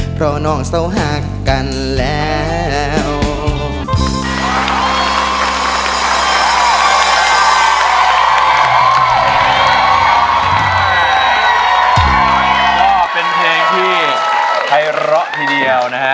เพราะน้องเศร้าหักกันแล้ว